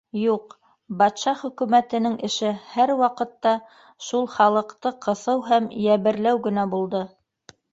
Юҡ, батша хөкүмәтенең эше һәр ваҡытта шул халыҡты ҡыҫыу һәм йәберләү генә булды.